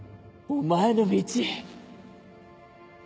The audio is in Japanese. お前の路？